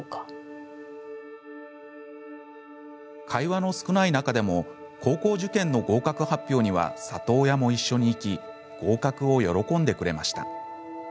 会話の少ない中でも高校受験の合格発表には里親も一緒に行き合格を喜んでくれました。